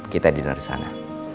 kita dinner disana